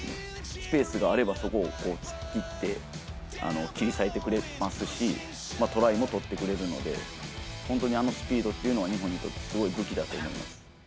スペースがあればそこを突っ切って、切り裂いてくれますし、トライも取ってくれるので、本当にあのスピードっていうのは、日本にとってすごい武器だと思います。